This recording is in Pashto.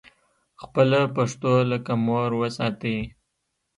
خپله پښتو لکه مور وساتئ